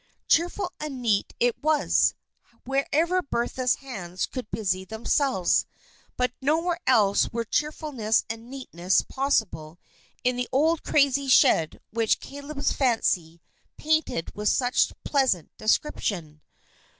Cheerful and neat it was, wherever Bertha's hands could busy themselves, but nowhere else were cheerfulness and neatness possible in the old crazy shed which Caleb's fancy painted with such pleasant description.